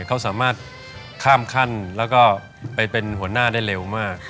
เขาสามารถข้ามขั้นแล้วก็ไปเป็นหัวหน้าได้เร็วมาก